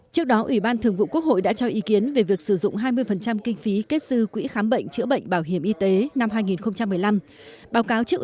trước đó ủy ban thường vụ quốc hội đã cho ý kiến về việc sử dụng hai mươi kinh phí kết dư quỹ khám bệnh chữa bệnh bảo hiểm y tế năm hai nghìn một mươi năm